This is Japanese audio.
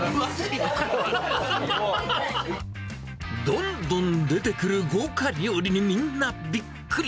どんどん出てくる豪華料理に、みんなびっくり。